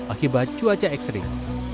akibat cuaca ekstrik